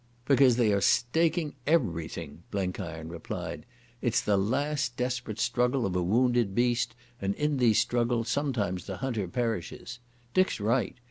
"Because they are staking everything," Blenkiron replied. "It is the last desperate struggle of a wounded beast, and in these struggles sometimes the hunter perishes. Dick's right.